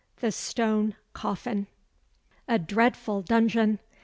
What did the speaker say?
The "Stone Coffin." A dreadful dungeon!